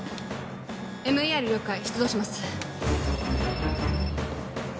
ＭＥＲ了解出動します